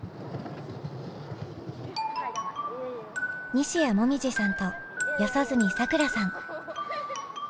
西矢椛さんと四十住さくらさん。